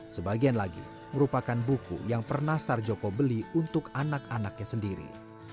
sebagian lagi merupakan buku yang pernah sarjoko beli untuk anak anaknya sendiri